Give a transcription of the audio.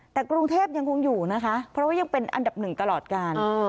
แต่กรุงเทพยังคงอยู่นะคะเพราะว่ายังเป็นอันดับหนึ่งตลอดการ